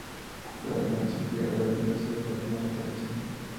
La denominación "Vera de Bidasoa" es relativamente reciente.